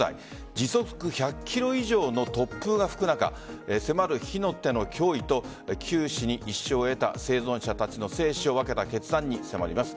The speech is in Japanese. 時速１００キロ以上の突風が吹く中迫る火の手の脅威と九死に一生を得た生存者たちの生死を分けた決断に迫ります。